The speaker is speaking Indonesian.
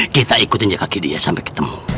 kita ikutin ya kaki dia sampai ketemu